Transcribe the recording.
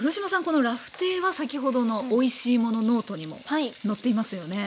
このラフテーは先ほどの「おいしいものノート」にも載っていますよね？